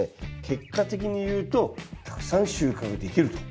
結果的にいうとたくさん収穫できると。